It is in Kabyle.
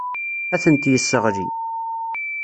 Ad tent-yesseɣli.